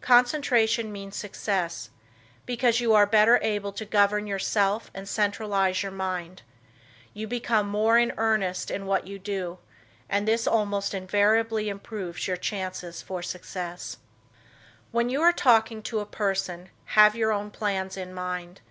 Concentration means success, because you are better able to govern yourself and centralize your mind; you become more in earnest in what you do and this almost invariably improves your chances for success. When you are talking to a person have your own plans in mind.